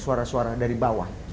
suara suara dari bawah